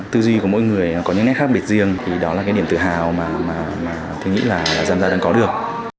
tư duy của mỗi người có những nét khác biệt riêng thì đó là cái điểm tự hào mà tôi nghĩ là giamgia đang có được